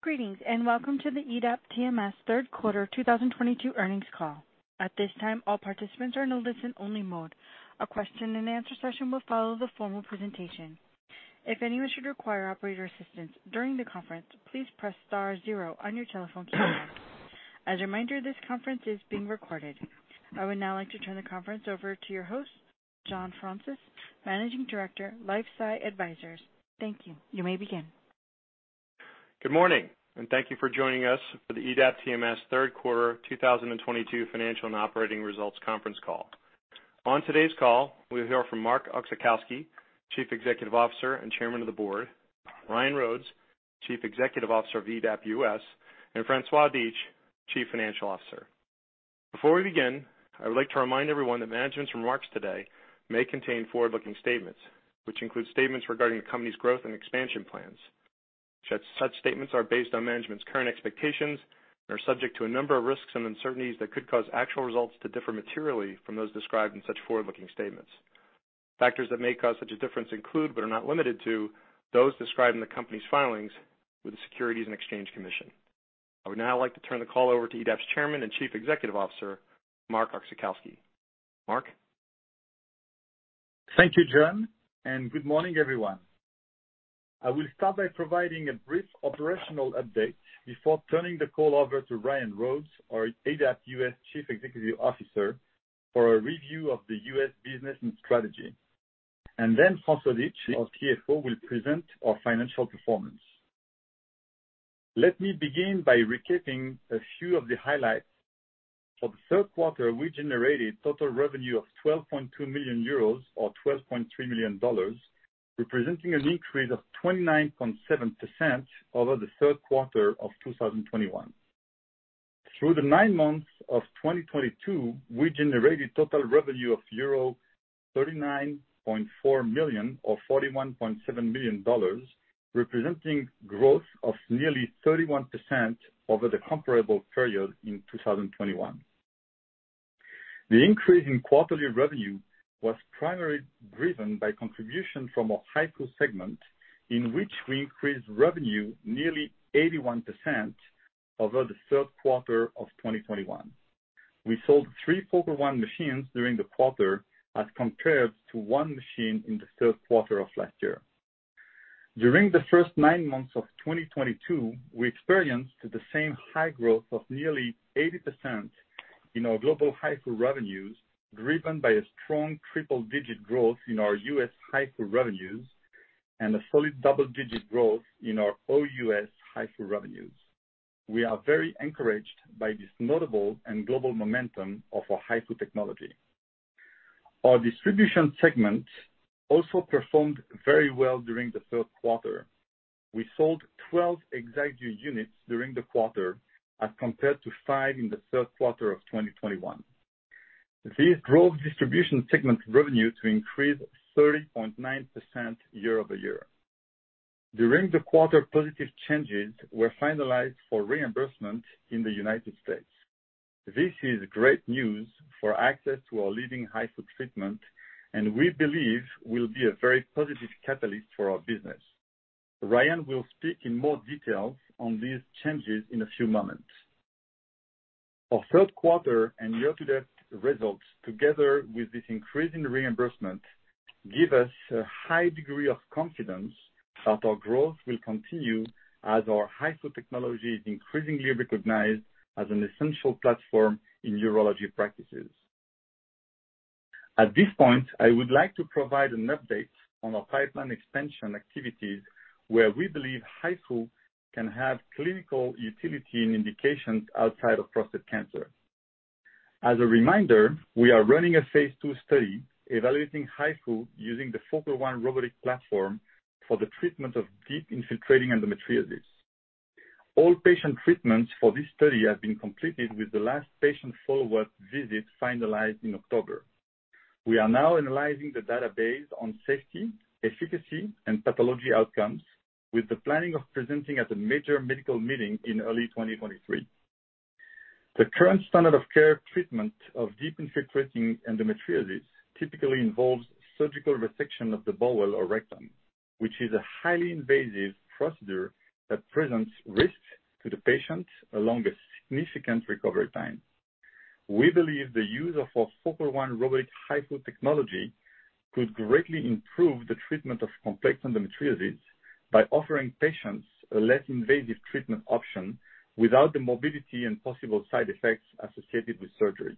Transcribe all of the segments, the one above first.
Greetings and welcome to the EDAP TMS Third Quarter 2022 Earnings Call. At this time, all participants are in listen-only mode. A question-and-answer session will follow the formal presentation. If anyone should require operator assistance during the conference, please press star 0 on your telephone keypad. As a reminder, this conference is being recorded. I would now like to turn the conference over to your host, John Fraunces, Managing Director, LifeSci Advisors. Thank you. You may begin. Good morning. Thank you for joining us for the EDAP TMS third quarter 2022 financial and operating results conference call. On today's call, we will hear from Marc Oczachowski, Chief Executive Officer and Chairman of the Board, Ryan Rhodes, Chief Executive Officer of EDAP U.S., and François Dietsch, Chief Financial Officer. Before we begin, I would like to remind everyone that management's remarks today may contain forward-looking statements, which include statements regarding the company's growth and expansion plans. Such statements are based on management's current expectations and are subject to a number of risks and uncertainties that could cause actual results to differ materially from those described in such forward-looking statements. Factors that may cause such a difference include, but are not limited to, those described in the company's filings with the Securities and Exchange Commission. I would now like to turn the call over to EDAP's Chairman and Chief Executive Officer, Marc Oczachowski. Marc? Thank you, John, and good morning, everyone. I will start by providing a brief operational update before turning the call over to Ryan Rhodes, our EDAP Technomed Chief Executive Officer, for a review of the U.S. business and strategy. François Dietsch, our CFO, will present our financial performance. Let me begin by recapping a few of the highlights. For the third quarter, we generated total revenue of 12.2 million euros or $12.3 million, representing an increase of 29.7% over the third quarter of 2021. Through the nine months of 2022, we generated total revenue of euro 39.4 million or $41.7 million, representing growth of nearly 31% over the comparable period in 2021. The increase in quarterly revenue was primarily driven by contribution from our HIFU segment, in which we increased revenue nearly 81% over the third quarter of 2021. We sold three Focal One machines during the quarter as compared to one machine in the third quarter of last year. During the first nine months of 2022, we experienced the same high growth of nearly 80% in our global HIFU revenues, driven by a strong triple-digit growth in our U.S. HIFU revenues and a solid double-digit growth in our OUS HIFU revenues. We are very encouraged by this notable and global momentum of our HIFU technology. Our distribution segment also performed very well during the third quarter. We sold 12 ExactVu units during the quarter as compared to five in the third quarter of 2021. This drove distribution segment revenue to increase 30.9% year-over-year. During the quarter, positive changes were finalized for reimbursement in the United States. This is great news for access to our leading HIFU treatment and we believe will be a very positive catalyst for our business. Ryan will speak in more details on these changes in a few moments. Our third quarter and year-to-date results, together with this increase in reimbursement, give us a high degree of confidence that our growth will continue as our HIFU technology is increasingly recognized as an essential platform in urology practices. At this point, I would like to provide an update on our pipeline expansion activities, where we believe HIFU can have clinical utility and indications outside of prostate cancer. As a reminder, we are running a phase II study evaluating HIFU using the Focal One robotic platform for the treatment of deep infiltrating endometriosis. All patient treatments for this study have been completed with the last patient follow-up visit finalized in October. We are now analyzing the database on safety, efficacy, and pathology outcomes with the planning of presenting at a major medical meeting in early 2023. The current standard of care treatment of deep infiltrating endometriosis typically involves surgical resection of the bowel or rectum, which is a highly invasive procedure that presents risks to the patient along a significant recovery time. We believe the use of our Focal One robotic HIFU technology could greatly improve the treatment of complex endometriosis by offering patients a less invasive treatment option without the morbidity and possible side effects associated with surgery.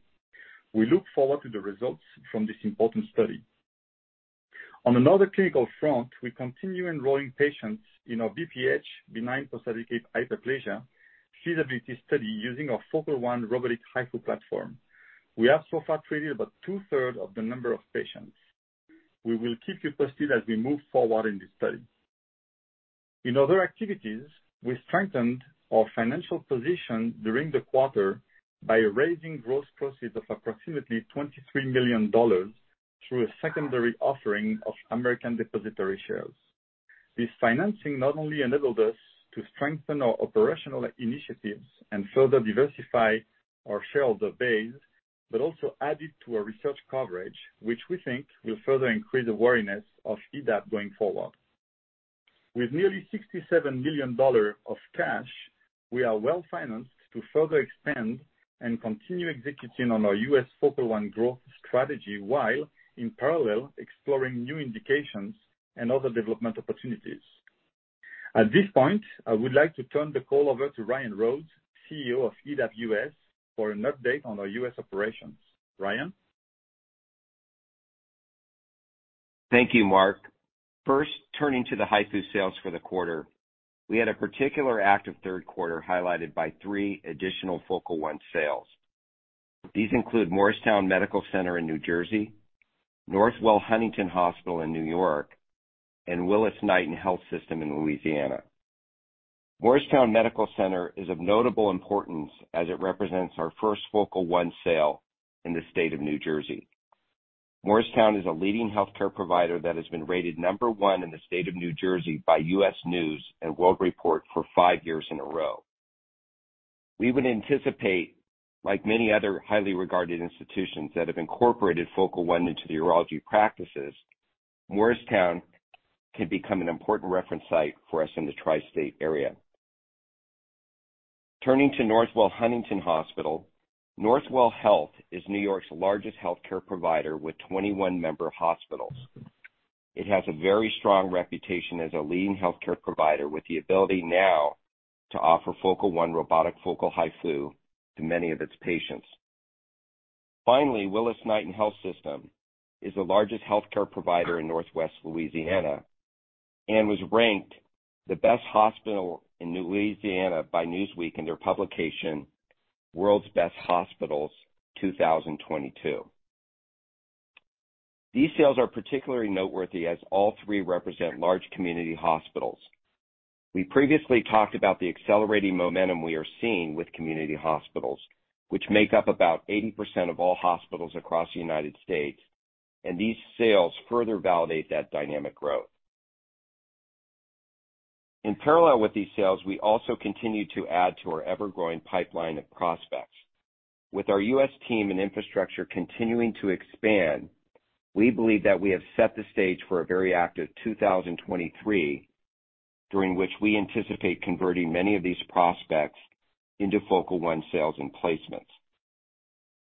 We look forward to the results from this important study. On another clinical front, we continue enrolling patients in our BPH, benign prostatic hyperplasia, CWT study using our Focal One robotic HIFU platform. We have so far treated about 2/3 of the number of patients. We will keep you posted as we move forward in this study. In other activities, we strengthened our financial position during the quarter by raising gross proceeds of approximately $23 million through a secondary offering of American Depositary Shares. This financing not only enabled us to strengthen our operational initiatives and further diversify our shareholder base, but also added to our research coverage, which we think will further increase the awareness of EDAP going forward. With nearly $67 million of cash, we are well-financed to further expand and continue executing on our U.S. Focal One growth strategy, while in parallel, exploring new indications and other development opportunities. At this point, I would like to turn the call over to Ryan Rhodes, CEO of EDAP U.S., for an update on our U.S. operations. Ryan? Thank you, Marc. First, turning to the HIFU sales for the quarter. We had a particular active third quarter highlighted by three additional Focal One sales. These include Morristown Medical Center in New Jersey, Northwell Huntington Hospital in New York, and Willis-Knighton Health System in Louisiana. Morristown Medical Center is of notable importance as it represents our first Focal One sale in the state of New Jersey. Morristown is a leading healthcare provider that has been rated number one in the state of New Jersey by U.S. News & World Report for five years in a row. We would anticipate, like many other highly regarded institutions that have incorporated Focal One into the urology practices, Morristown can become an important reference site for us in the tri-state area. Turning to Northwell Huntington Hospital. Northwell Health is New York's largest healthcare provider with 21 member hospitals. It has a very strong reputation as a leading healthcare provider with the ability now to offer Focal One robotic focal HIFU to many of its patients. Finally, Willis-Knighton Health System is the largest healthcare provider in Northwest Louisiana and was ranked the best hospital in Louisiana by Newsweek in their publication, World's Best Hospitals 2022. These sales are particularly noteworthy as all three represent large community hospitals. We previously talked about the accelerating momentum we are seeing with community hospitals, which make up about 80% of all hospitals across the United States, and these sales further validate that dynamic growth. In parallel with these sales, we also continue to add to our ever-growing pipeline of prospects. With our U.S. team and infrastructure continuing to expand, we believe that we have set the stage for a very active 2023, during which we anticipate converting many of these prospects into Focal One sales and placements.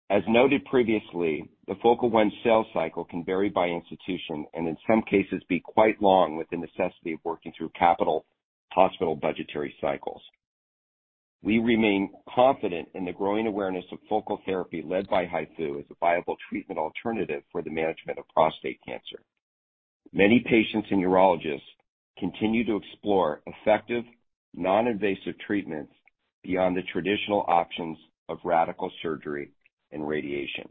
As noted previously, the Focal One sales cycle can vary by institution and in some cases be quite long with the necessity of working through capital hospital budgetary cycles. We remain confident in the growing awareness of focal therapy led by HIFU as a viable treatment alternative for the management of prostate cancer. Many patients and urologists continue to explore effective, non-invasive treatments beyond the traditional options of radical surgery and radiation.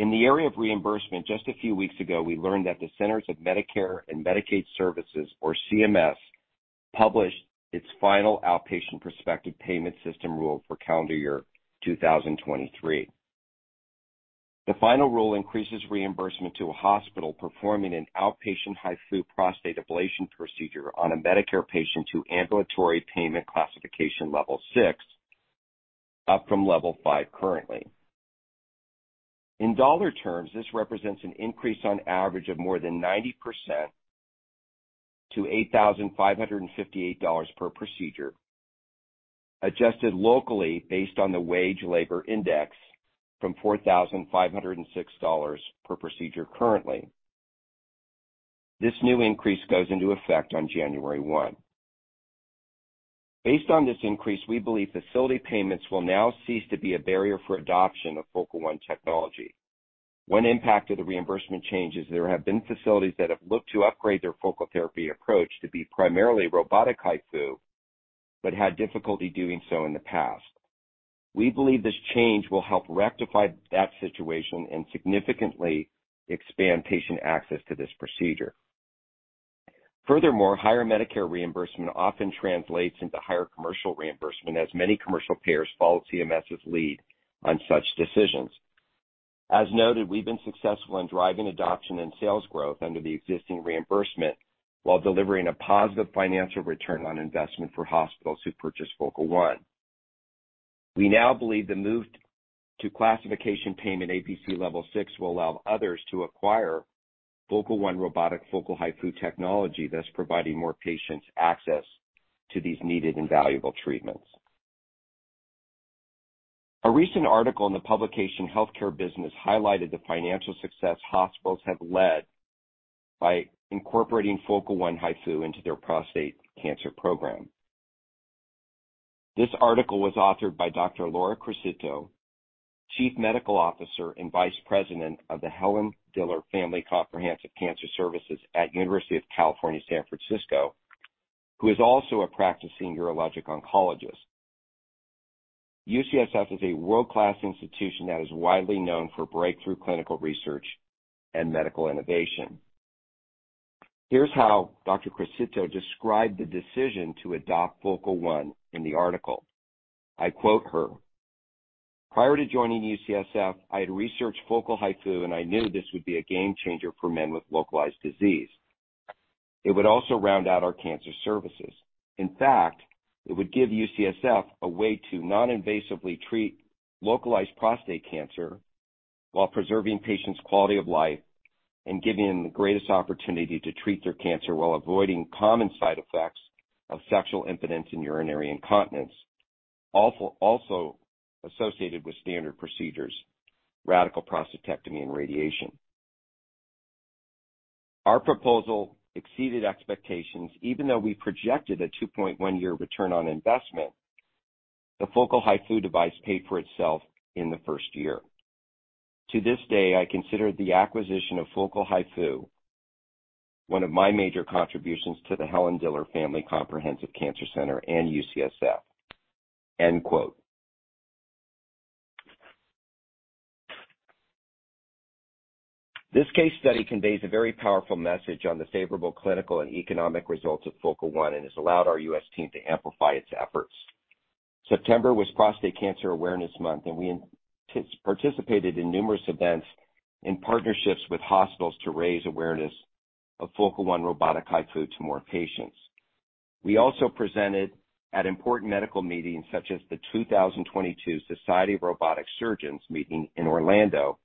In the area of reimbursement, just a few weeks ago, we learned that the Centers for Medicare & Medicaid Services, or CMS, published its final outpatient prospective payment system rule for calendar year 2023. The final rule increases reimbursement to a hospital performing an outpatient HIFU prostate ablation procedure on a Medicare patient to Ambulatory Payment Classification Level 6, up from Level 5 currently. In dollar terms, this represents an increase on average of more than 90% to $8,558 per procedure, adjusted locally based on the wage labor index from $4,506 per procedure currently. This new increase goes into effect on January 1. Based on this increase, we believe facility payments will now cease to be a barrier for adoption of Focal One technology. One impact of the reimbursement changes, there have been facilities that have looked to upgrade their focal therapy approach to be primarily robotic HIFU, but had difficulty doing so in the past. We believe this change will help rectify that situation and significantly expand patient access to this procedure. Furthermore, higher Medicare reimbursement often translates into higher commercial reimbursement, as many commercial payers follow CMS's lead on such decisions. As noted, we've been successful in driving adoption and sales growth under the existing reimbursement while delivering a positive financial return on investment for hospitals who purchase Focal One. We now believe the move to classification payment APC Level 6 will allow others to acquire Focal One robotic focal HIFU technology, thus providing more patients access to these needed and valuable treatments. A recent article in the publication Healthcare Business highlighted the financial success hospitals have led by incorporating Focal One HIFU into their prostate cancer program. This article was authored by Dr. Laura Crocitto, Chief Medical Officer and Vice President of the Helen Diller Family Comprehensive Cancer Services at University of California, San Francisco, who is also a practicing urologic oncologist. UCSF is a world-class institution that is widely known for breakthrough clinical research and medical innovation. Here's how Dr. Crocitto described the decision to adopt Focal One in the article. I quote her. "Prior to joining UCSF, I had researched focal HIFU, and I knew this would be a game changer for men with localized disease. It would also round out our cancer services. In fact, it would give UCSF a way to non-invasively treat localized prostate cancer while preserving patients' quality of life and giving them the greatest opportunity to treat their cancer while avoiding common side effects of sexual impotence and urinary incontinence, also associated with standard procedures, radical prostatectomy, and radiation. Our proposal exceeded expectations even though we projected a 2.1-year return on investment. The Focal HIFU device paid for itself in the first year. To this day, I consider the acquisition of Focal HIFU one of my major contributions to the Helen Diller Family Comprehensive Cancer Center and UCSF. End quote. This case study conveys a very powerful message on the favorable clinical and economic results of Focal One and has allowed our U.S. team to amplify its efforts. September was Prostate Cancer Awareness Month, and we participated in numerous events in partnerships with hospitals to raise awareness of Focal One robotic HIFU to more patients. We also presented at important medical meetings such as the 2022 Society of Robotic Surgery meeting in Orlando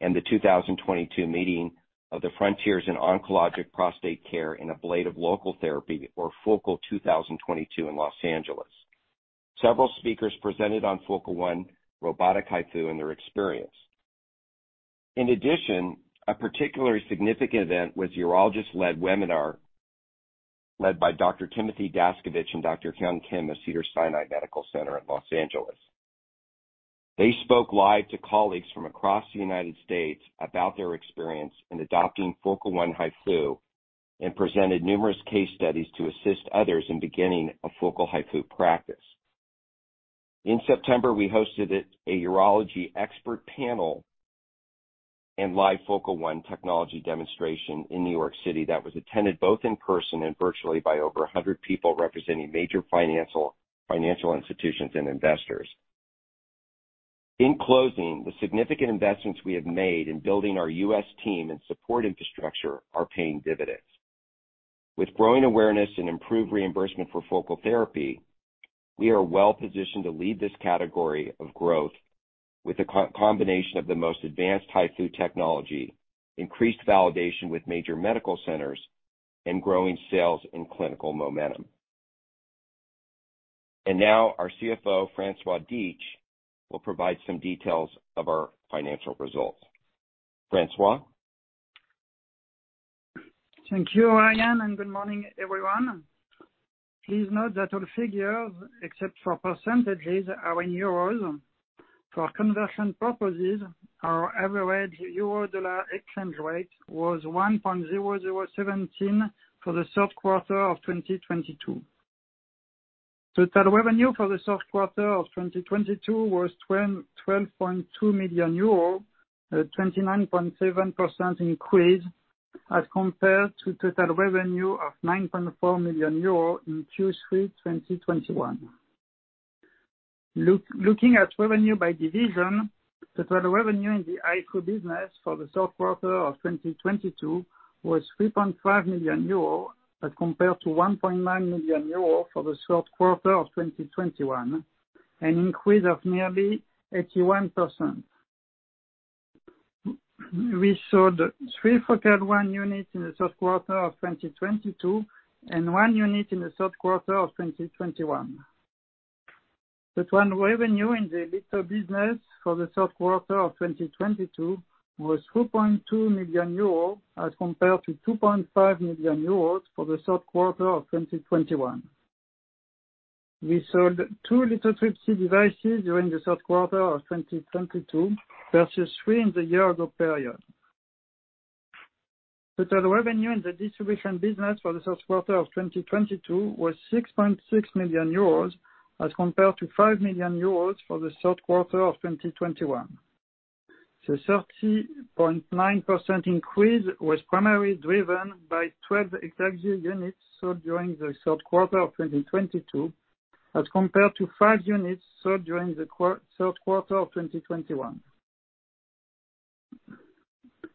and the 2022 meeting of the Frontiers in Oncologic Prostate Care and Ablative Local Therapy, or Focal 2022 in Los Angeles. Several speakers presented on Focal One robotic HIFU and their experience. In addition, a particularly significant event was urologist-led webinar led by Dr. Timothy Daskivich and Dr. Hyung Kim of Cedars-Sinai Medical Center at Los Angeles. They spoke live to colleagues from across the United States about their experience in adopting Focal One HIFU and presented numerous case studies to assist others in beginning a Focal HIFU practice. In September, we hosted a urology expert panel and live Focal One technology demonstration in New York City that was attended both in person and virtually by over 100 people representing major financial institutions and investors. In closing, the significant investments we have made in building our U.S. team and support infrastructure are paying dividends. With growing awareness and improved reimbursement for focal therapy, we are well-positioned to lead this category of growth with the co-combination of the most advanced HIFU technology, increased validation with major medical centers, and growing sales and clinical momentum. Now our CFO, François Dietsch, will provide some details of our financial results. François? Thank you, Ryan, and good morning, everyone. Please note that all figures, except for percentages, are in euros. For conversion purposes, our average euro-dollar exchange rate was 1.0017 for the third quarter of 2022. Total revenue for the third quarter of 2022 was 12.2 million euros, a 29.7% increase as compared to total revenue of 9.4 million euros in Q3 2021. Looking at revenue by division, total revenue in the HIFU business for the third quarter of 2022 was 3.5 million euro as compared to 1.9 million euro for the third quarter of 2021, an increase of nearly 81%. We sold three Focal One units in the third quarter of 2022 and one unit in the third quarter of 2021. Total revenue in the litho business for the third quarter of 2022 was 2.2 million euros, as compared to 2.5 million euros for the third quarter of 2021. We sold two lithotripsy devices during the third quarter of 2022 versus three in the year-ago period. Total revenue in the distribution business for the third quarter of 2022 was 6.6 million euros, as compared to 5 million euros for the third quarter of 2021. The 30.9% increase was primarily driven by 12 ExactVu units sold during the third quarter of 2022 as compared to five units sold during the third quarter of 2021.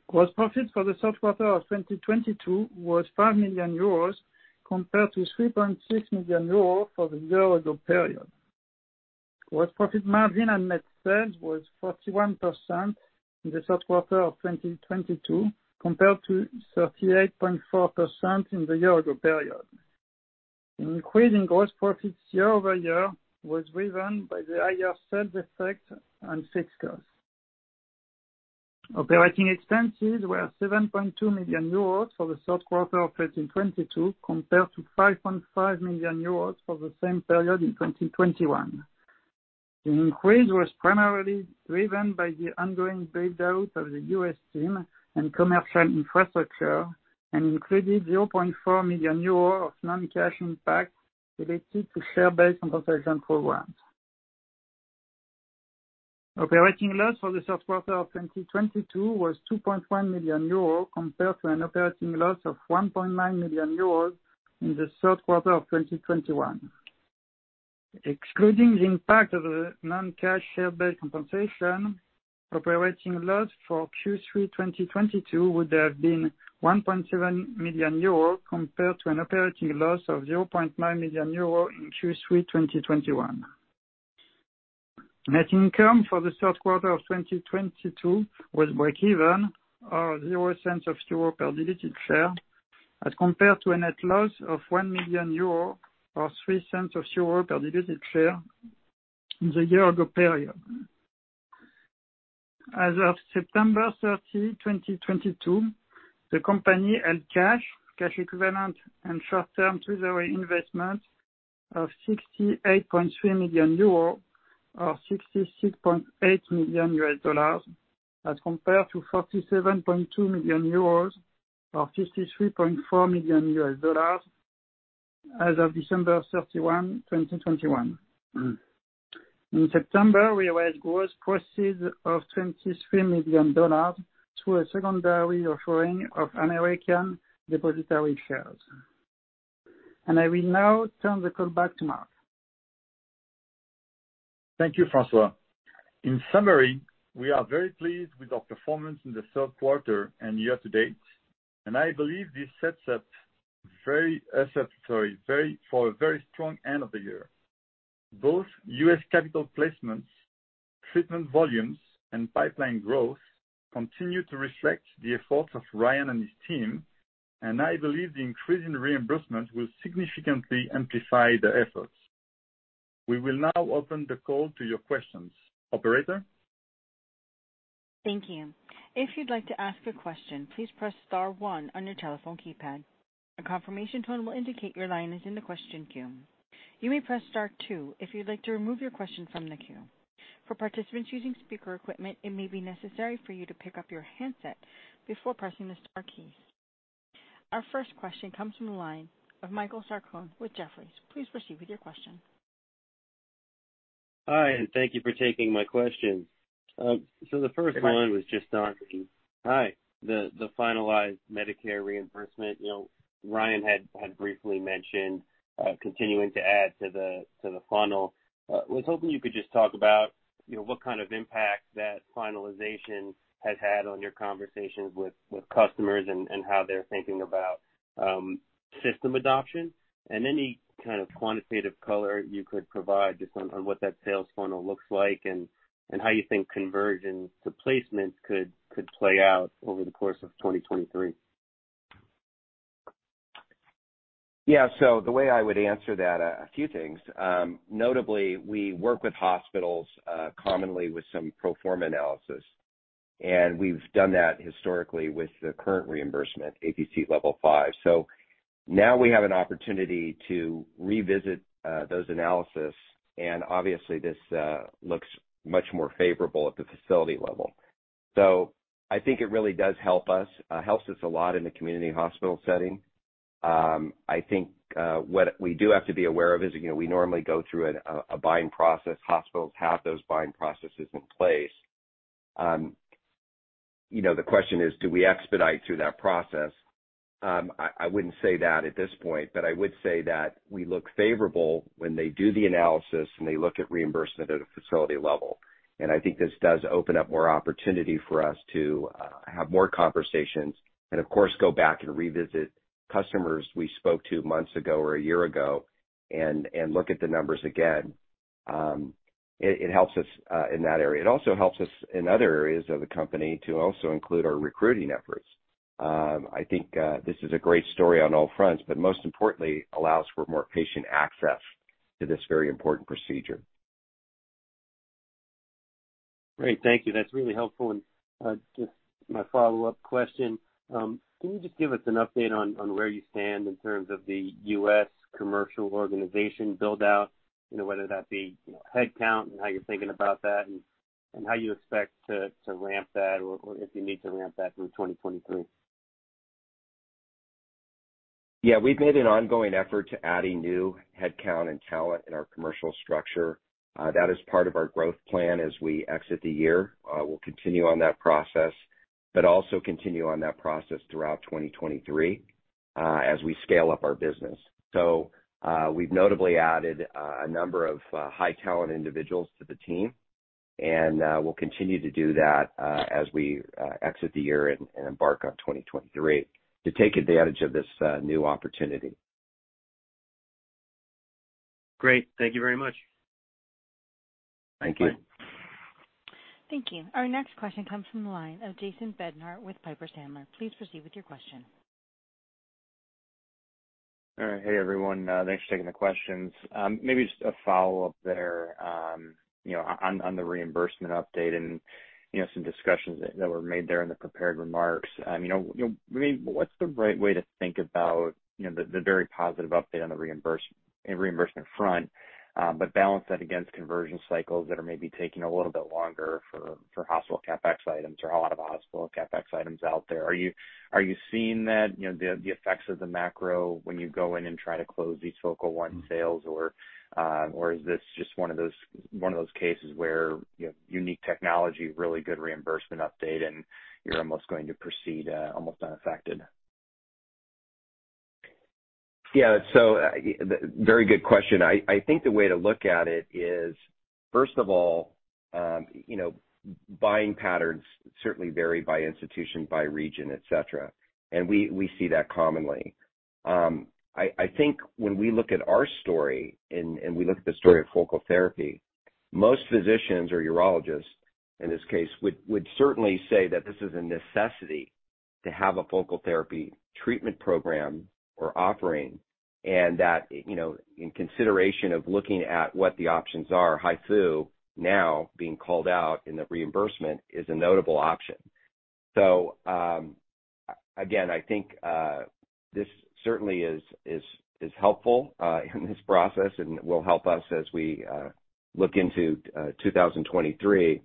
Gross profit for the third quarter of 2022 was 5 million euros compared to 3.6 million euros for the year-ago period. Gross profit margin and net sales was 41% in the third quarter of 2022 compared to 38.4% in the year-ago period. An increase in gross profits year-over-year was driven by the higher sales effect and fixed costs. Operating expenses were 7.2 million euros for the third quarter of 2022 compared to 5.5 million euros for the same period in 2021. The increase was primarily driven by the ongoing build-out of the U.S. team and commercial infrastructure and included 0.4 million euros of non-cash impact related to share-based compensation programs. Operating loss for the third quarter of 2022 was 2.1 million euros compared to an operating loss of 1.9 million euros in the third quarter of 2021. Excluding the impact of the non-cash share-based compensation, operating loss for Q3 2022 would have been 1.7 million euro compared to an operating loss of 0.9 million euro in Q3 2021. Net income for the third quarter of 2022 was breakeven, or 0.00 per diluted share, as compared to a net loss of 1 million euro or 0.03 per diluted share in the year-ago period. As of September 30, 2022, the company held cash equivalent, and short-term treasury investments of 68.3 million euro or $66.8 million as compared to 47.2 million euros or $53.4 million as of December 31, 2021. In September, we raised gross proceeds of $23 million through a secondary offering of American Depositary Shares. I will now turn the call back to Marc. Thank you, François. In summary, we are very pleased with our performance in the third quarter and year to date, and I believe this sets us up for a very strong end of the year. Both U.S. capital placements, treatment volumes, and pipeline growth continue to reflect the efforts of Ryan and his team, and I believe the increase in reimbursements will significantly amplify the efforts. We will now open the call to your questions. Operator? Thank you. If you'd like to ask a question, please press star 1 on your telephone keypad. A confirmation tone will indicate your line is in the question queue. You may press star 2 if you'd like to remove your question from the queue. For participants using speaker equipment, it may be necessary for you to pick up your handset before pressing the star keys. Our first question comes from the line of Michael Sarcone with Jefferies. Please proceed with your question. Hi, thank you for taking my questions. The first one was just on the finalized Medicare reimbursement. You know, Ryan had briefly mentioned continuing to add to the funnel. Was hoping you could just talk about, you know, what kind of impact that finalization has had on your conversations with customers and how they're thinking about system adoption, and any kind of quantitative color you could provide just on what that sales funnel looks like and how you think convergence to placement could play out over the course of 2023. Yeah. The way I would answer that, a few things. Notably, we work with hospitals commonly with some pro forma analysis, and we've done that historically with the current reimbursement, APC Level 5. Now we have an opportunity to revisit those analyses, and obviously this looks much more favorable at the facility level. I think it really does help us a lot in the community hospital setting. I think what we do have to be aware of is, you know, we normally go through a buying process. Hospitals have those buying processes in place. You know, the question is, do we expedite through that process? I wouldn't say that at this point, but I would say that we look favorable when they do the analysis, and they look at reimbursement at a facility level. I think this does open up more opportunity for us to have more conversations and of course, go back and revisit customers we spoke to months ago or a year ago and look at the numbers again. It helps us in that area. It also helps us in other areas of the company to also include our recruiting efforts. I think this is a great story on all fronts, but most importantly allows for more patient access to this very important procedure. Great. Thank you. That's really helpful. Just my follow-up question, can you just give us an update on where you stand in terms of the U.S. commercial organization build-out, you know, whether that be, you know, headcount and how you're thinking about that and how you expect to ramp that or if you need to ramp that through 2023? Yeah. We've made an ongoing effort to adding new headcount and talent in our commercial structure. That is part of our growth plan as we exit the year. We'll continue on that process, but also continue on that process throughout 2023 as we scale up our business. We've notably added a number of high talent individuals to the team, and we'll continue to do that as we exit the year and embark on 2023 to take advantage of this new opportunity. Great. Thank you very much. Thank you. Thank you. Our next question comes from the line of Jason Bednar with Piper Sandler. Please proceed with your question. All right. Hey, everyone. Thanks for taking the questions. Maybe just a follow-up there, you know, on the reimbursement update and, you know, some discussions that were made there in the prepared remarks. You know, I mean, what's the right way to think about, you know, the very positive update on the reimbursement front, but balance that against conversion cycles that are maybe taking a little bit longer for hospital CapEx items or a lot of hospital CapEx items out there? Are you seeing that, you know, the effects of the macro when you go in and try to close these Focal One sales, or is this just one of those cases where, you know, unique technology, really good reimbursement update, and you're almost going to proceed almost unaffected? Yeah. Very good question. I think the way to look at it is, first of all, you know, buying patterns certainly vary by institution, by region, et cetera, and we see that commonly. I think when we look at our story and we look at the story of focal therapy, most physicians or urologists in this case would certainly say that this is a necessity to have a focal therapy treatment program or offering. That, you know, in consideration of looking at what the options are, HIFU now being called out in the reimbursement is a notable option. Again, I think this certainly is helpful in this process and will help us as we look into 2023.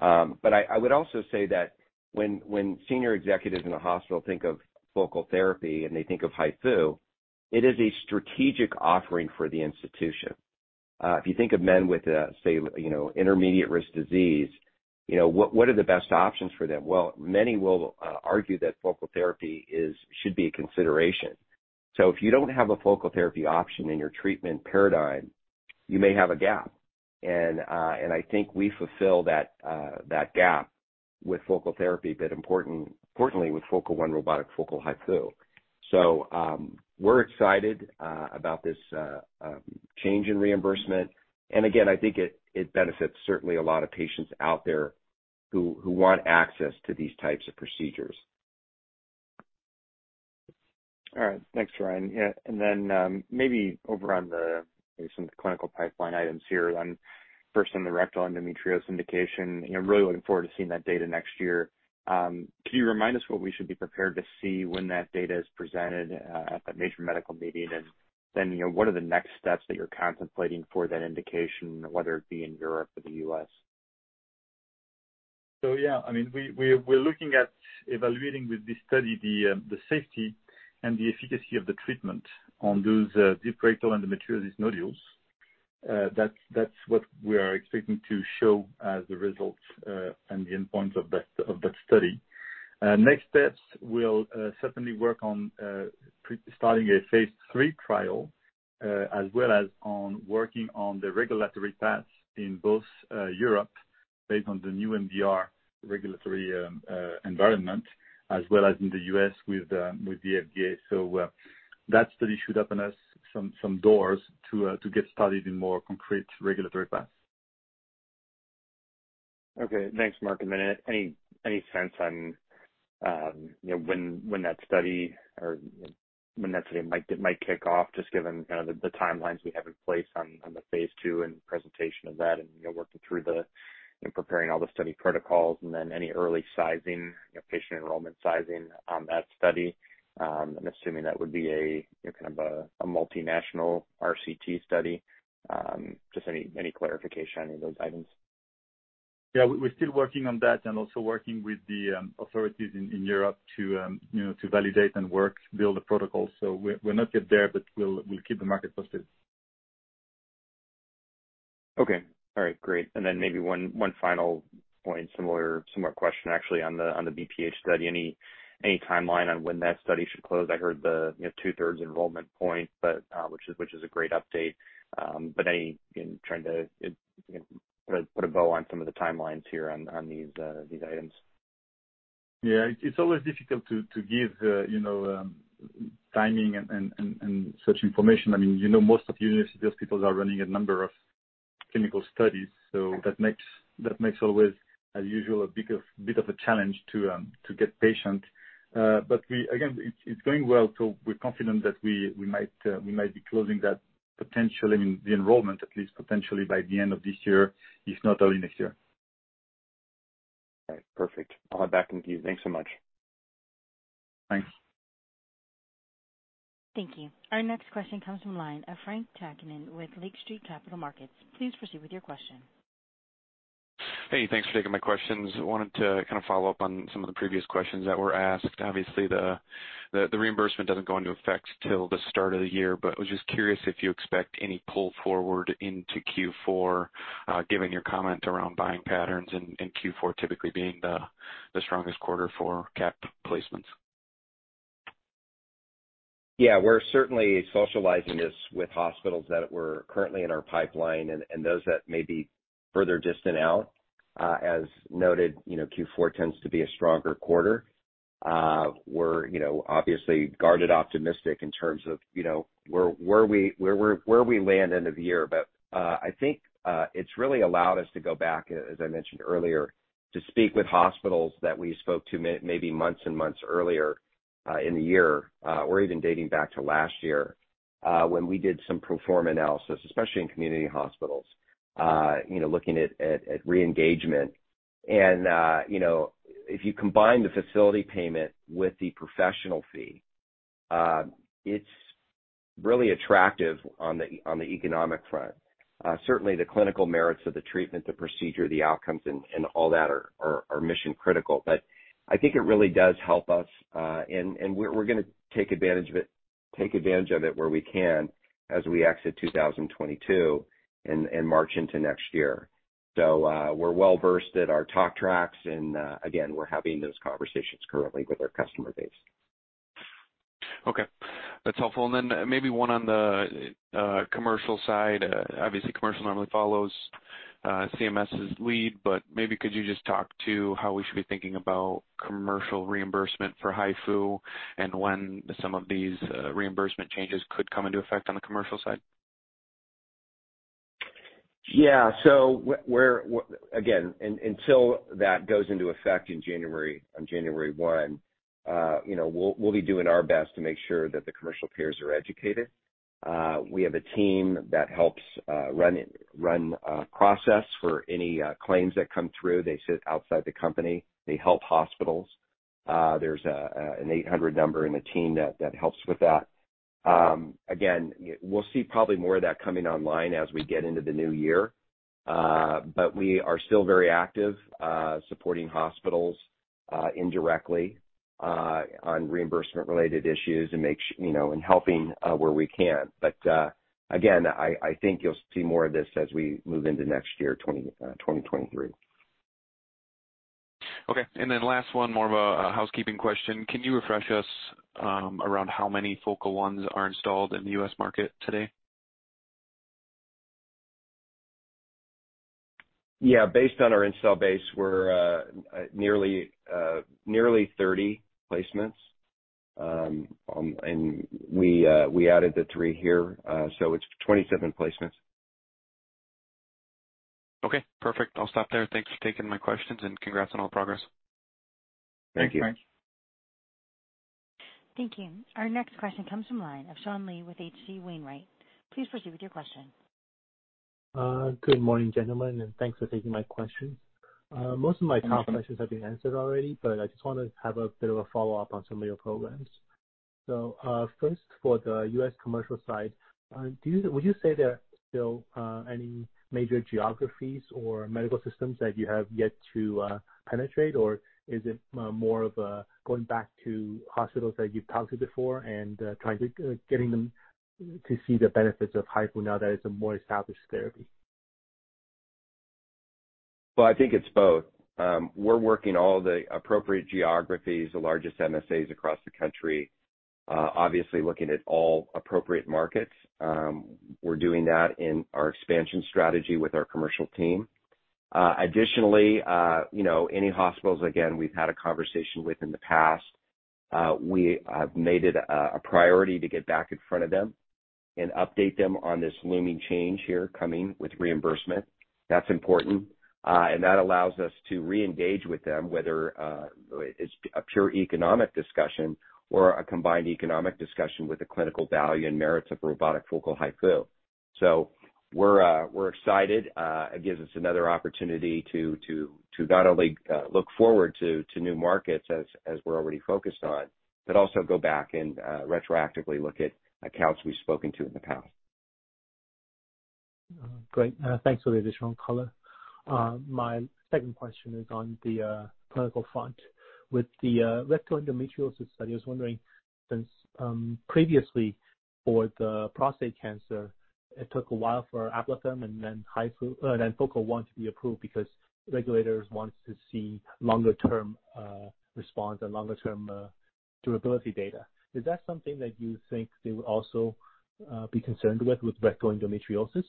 I would also say that when senior executives in a hospital think of focal therapy and they think of HIFU, it is a strategic offering for the institution. If you think of men with say, you know, intermediate risk disease, you know, what are the best options for them? Well, many will argue that focal therapy should be a consideration. If you don't have a focal therapy option in your treatment paradigm, you may have a gap. I think we fulfill that gap with focal therapy, but importantly with Focal One robotic focal HIFU. We're excited about this change in reimbursement. Again, I think it benefits certainly a lot of patients out there who want access to these types of procedures. All right. Thanks, Ryan. Yeah. Maybe over on some of the clinical pipeline items here, first on the rectal endometriosis indication. You know, really looking forward to seeing that data next year. Can you remind us what we should be prepared to see when that data is presented at that major medical meeting? You know, what are the next steps that you're contemplating for that indication, whether it be in Europe or the U.S.? Yeah, I mean, we're looking at evaluating with this study the safety and the efficacy of the treatment on those deep rectal endometriosis nodules. That's what we are expecting to show as the results and the endpoints of that study. Next steps, we'll certainly work on starting a phase III trial, as well as on working on the regulatory paths in both Europe based on the new MDR regulatory environment as well as in the U.S. with the FDA. That study should open us some doors to get started in more concrete regulatory paths. Thanks, Marc. Any sense on, you know, when that study might kick off, just given kind of the timelines we have in place on phase II and presentation of that and, you know, working through and preparing all the study protocols? Any early sizing, you know, patient enrollment sizing on that study? I'm assuming that would be a, you know, kind of a multinational RCT study. Any clarification on any of those items? Yeah. We're still working on that and also working with the authorities in Europe to, you know, to validate and build a protocol. We're not yet there, but we'll keep the market posted. Okay. All right, great. Maybe one final point, similar question actually on the BPH study. Any timeline on when that study should close? I heard the, you know, 2/3 enrollment point, which is a great update. Any, you know, trying to, you know, put a bow on some of the timelines here on these items. Yeah. It's always difficult to give, you know, timing and such information. I mean, you know, most of university, those people are running a number of clinical studies. That makes always, as usual, a bit of a challenge to get patient. Again, it's going well. We're confident that we might be closing that potentially, I mean, the enrollment at least potentially by the end of this year, if not early next year. All right. Perfect. I'll hand it back to you. Thanks so much. Thanks. Thank you. Our next question comes from line of Frank Takkinen with Lake Street Capital Markets. Please proceed with your question. Hey, thanks for taking my questions. I wanted to kind of follow up on some of the previous questions that were asked. Obviously, the reimbursement doesn't go into effect till the start of the year, but I was just curious if you expect any pull forward into Q4, given your comment around buying patterns and Q4 typically being the strongest quarter for capital placements. Yeah. We're certainly socializing this with hospitals that were currently in our pipeline and those that may be further distant out. As noted, you know, Q4 tends to be a stronger quarter. We're, you know, obviously guarded optimistic in terms of, you know, where we land end of the year. I think it's really allowed us to go back, as I mentioned earlier, to speak with hospitals that we spoke to maybe months and months earlier in the year or even dating back to last year when we did some pro forma analysis, especially in community hospitals, you know, looking at re-engagement. You know, if you combine the facility payment with the professional fee, it's really attractive on the economic front. Certainly the clinical merits of the treatment, the procedure, the outcomes and all that are mission critical. I think it really does help us. We're gonna take advantage of it where we can as we exit 2022 and march into next year. We're well-versed at our talk tracks and, again, we're having those conversations currently with our customer base. Okay. That's helpful. Maybe one on the commercial side. Obviously commercial normally follows CMS's lead, but maybe could you just talk to how we should be thinking about commercial reimbursement for HIFU and when some of these reimbursement changes could come into effect on the commercial side? Yeah. Again, until that goes into effect in January, on January 1, you know, we'll be doing our best to make sure that the commercial payers are educated. We have a team that helps run a process for any claims that come through. They sit outside the company. They help hospitals. There's an 800 number and a team that helps with that. Again, we'll see probably more of that coming online as we get into the new year. We are still very active supporting hospitals indirectly on reimbursement-related issues and, you know, helping where we can. Again, I think you'll see more of this as we move into next year, 2023. Okay. Last one, more of a housekeeping question. Can you refresh us around how many Focal Ones are installed in the U.S. market today? Yeah. Based on our install base, we're nearly 30 placements. We added the three here, so it's 27 placements. Okay, perfect. I'll stop there. Thanks for taking my questions, and congrats on all the progress. Thank you. Thank you. Our next question comes from line of Sean Lee with H.C. Wainwright. Please proceed with your question. Good morning, gentlemen, and thanks for taking my question. Most of my top questions have been answered already, but I just want to have a bit of a follow-up on some of your programs. First for the U.S. commercial side, would you say there are still any major geographies or medical systems that you have yet to penetrate? Is it more of going back to hospitals that you've talked to before and trying to getting them to see the benefits of HIFU now that it's a more established therapy? Well, I think it's both. We're working all the appropriate geographies, the largest MSAs across the country, obviously looking at all appropriate markets. We're doing that in our expansion strategy with our commercial team. Additionally, you know, any hospitals, again, we've had a conversation with in the past, we have made it a priority to get back in front of them and update them on this looming change here coming with reimbursement. That's important. That allows us to reengage with them, whether it's a pure economic discussion or a combined economic discussion with the clinical value and merits of robotic focal HIFU. We're excited. It gives us another opportunity to not only look forward to new markets as we're already focused on, but also go back and retroactively look at accounts we've spoken to in the past. Great. Thanks for the additional color. My second question is on the clinical front. With the rectal endometriosis study, I was wondering since previously for the prostate cancer, it took a while for Ablatherm and then HIFU then Focal One to be approved because regulators want to see longer-term response and longer-term durability data. Is that something that you think they will also be concerned with rectal endometriosis?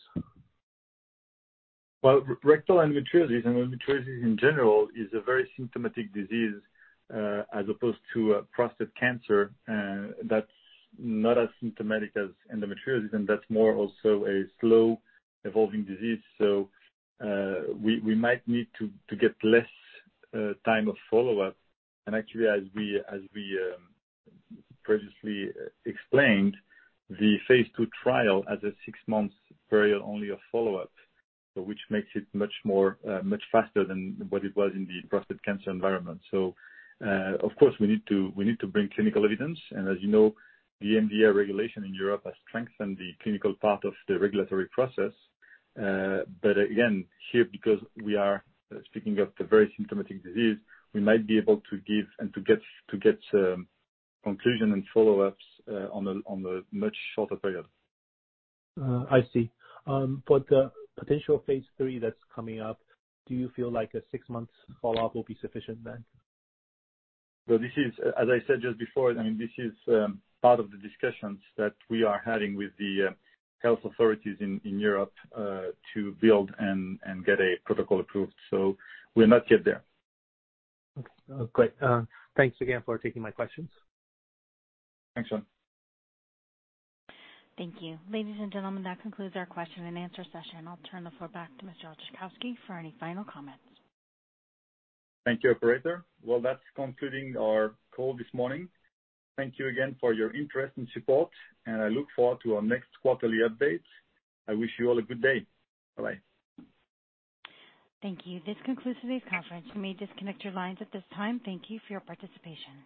Well, rectal endometriosis and endometriosis in general is a very symptomatic disease, as opposed to prostate cancer, uh, that's not as symptomatic as endometriosis, and that's more also a slow evolving disease. So, we might need to get less time of follow-up. And actually, as we, as we, previously explained, the phase II trial has a six-month period only of follow-up. So which makes it much more much faster than what it was in the prostate cancer environment. So, of course, we need to, we need to bring clinical evidence. And as you know, the MDR regulation in Europe has strengthened the clinical part of the regulatory process. Again, here, because we are speaking of the very symptomatic disease, we might be able to give and to get conclusion and follow-ups on a much shorter period. I see. For the potential phase III that's coming up, do you feel like a six-months follow-up will be sufficient then? This is, as I said just before, I mean, part of the discussions that we are having with the health authorities in Europe to build and get a protocol approved. We're not yet there. Okay. Great. Thanks again for taking my questions. Thanks, Sean. Thank you. Ladies and gentlemen, that concludes our question and answer session. I'll turn the floor back to Mr. Oczachowski for any final comments. Thank you, Operator. Well, that's concluding our call this morning. Thank you again for your interest and support, and I look forward to our next quarterly update. I wish you all a good day. Bye. Thank you. This concludes today's conference. You may disconnect your lines at this time. Thank you for your participation.